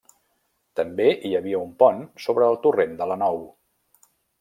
També hi havia un pont sobre el torrent de la Nou.